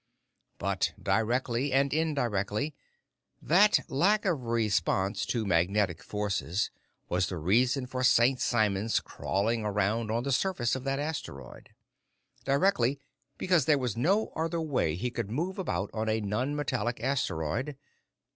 But directly and indirectly, that lack of response to magnetic forces was the reason for St. Simon's crawling around on the surface of that asteroid. Directly, because there was no other way he could move about on a nonmetallic asteroid.